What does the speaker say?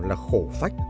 là khổ phách